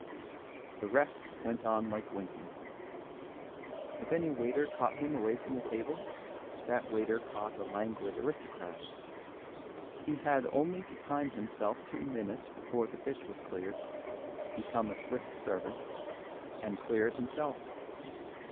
The rest went like winking. If any waiter caught him away from the table, that waiter caught a languid aristocrat. He had only to time himself two minutes before the fish was cleared, become a swift servant, and clear it himself.